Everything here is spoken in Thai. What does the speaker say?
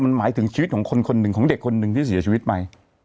มันหมายถึงชีวิตของคนคนหนึ่งของเด็กคนหนึ่งที่เสียชีวิตไป